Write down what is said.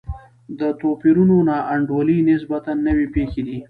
د توپیرونو نا انډولي نسبتا نوې پېښې دي.